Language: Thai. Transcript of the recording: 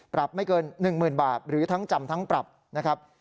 ปรับไม่เกิน๑หมื่นบาทหรือทั้งจำทั้งปรับ